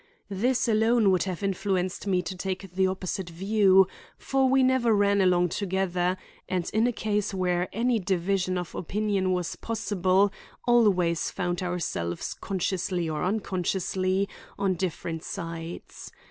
This alone would have influenced me to take the opposite view; for we never ran along together, and in a case where any division of opinion was possible, always found ourselves, consciously or unconsciously, on different sides.